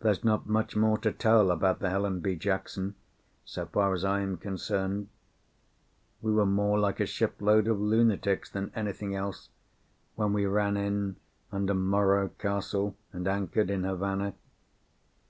There's not much more to tell about the Helen B. Jackson, so far as I am concerned. We were more like a shipload of lunatics than anything else when we ran in under Morro Castle and anchored in Havana.